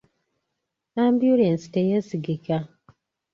Ambyulensi teyeesigika.